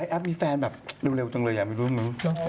แอปมีแฟนแบบเร็วจังเลยอยากไม่รู้